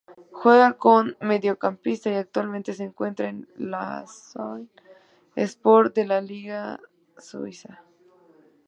Juega como Mediocampista y actualmente se encuentra en Lausanne-Sport de la Super Liga Suiza.